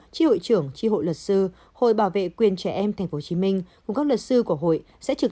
tri hội trưởng tri hội luật sư hội bảo vệ quyền trẻ em tp hcm cùng các luật sư của hội sẽ trực